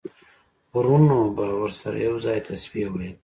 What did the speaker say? غرونو به ورسره یو ځای تسبیح ویله.